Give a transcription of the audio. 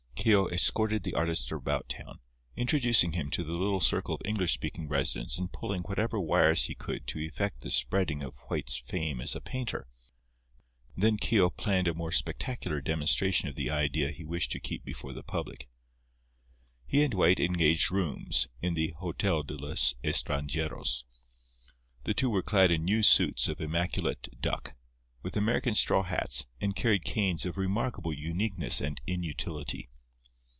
Keogh escorted the artist about town, introducing him to the little circle of English speaking residents and pulling whatever wires he could to effect the spreading of White's fame as a painter. And then Keogh planned a more spectacular demonstration of the idea he wished to keep before the public. He and White engaged rooms in the Hotel de los Estranjeros. The two were clad in new suits of immaculate duck, with American straw hats, and carried canes of remarkable uniqueness and inutility.